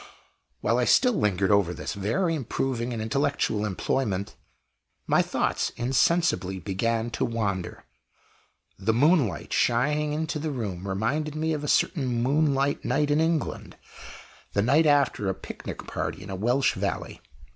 While I still lingered over this very improving and intellectual employment, my thoughts insensibly began to wander. The moonlight shining into the room reminded me of a certain moonlight night in England the night after a picnic party in a Welsh valley.